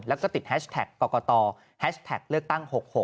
แล้วก็ติดแฮชแท็กกรกตแฮชแท็กเลือกตั้ง๖๖